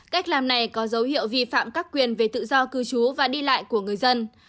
cách làm này có dấu hiệu vi phạm các quyền về tự do cư trú và đi lại của người dân